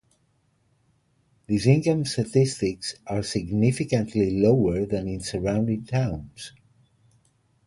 These income statistics are significantly lower than in surrounding towns.